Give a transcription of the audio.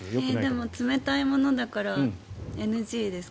でも冷たいものだからＮＧですか？